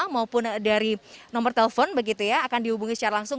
maupun dari nomor telepon begitu ya akan dihubungi secara langsung